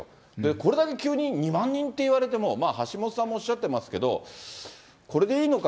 これだけ急に２万人っていわれても、まあ橋下さんもおっしゃってますけど、これでいいのか？